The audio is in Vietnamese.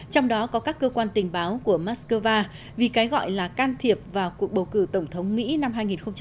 trong đó có các cơ quan tình báo của moscow vì cái gọi là can thiệp vào cuộc bầu cử tổng thống mỹ năm hai nghìn một mươi sáu